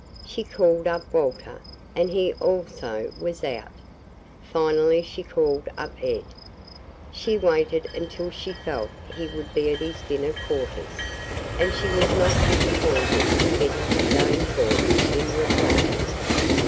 She called up Walter, and he also was out. Finally she called up Ed. She waited until she felt he would be at his dinner quarters, and she was not disappointed in getting his own voice in reply.